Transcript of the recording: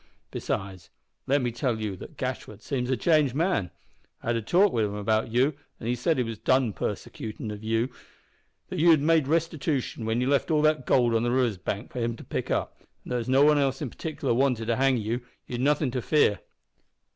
Besides, let me tell you that Gashford seems a changed man. I've had a talk wi' him about you, an' he said he was done persecutin' of you that you had made restitootion when you left all the goold on the river's bank for him to pick up, and that as nobody else in partikler wanted to hang you, you'd nothin' to fear."